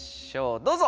どうぞ！